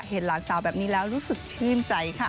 เห็นหลานสาวแบบนี้แล้วรู้สึกชื่นใจค่ะ